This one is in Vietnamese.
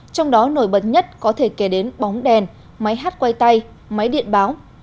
trong đó nổi bật nhất có thể kể đến bóng đèn máy hát quay tay máy điện báo